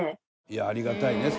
いやありがたいね